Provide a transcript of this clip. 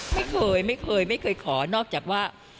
ไม่เคยไม่เคยไม่เคยขอนอกจากว่า